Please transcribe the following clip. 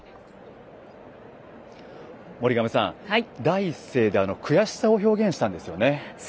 森上さん、第一声で悔しさを表現したんですよね。